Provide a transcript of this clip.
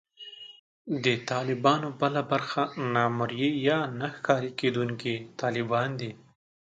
د طالبانو بله برخه نامرئي یا نه ښکارېدونکي طالبان دي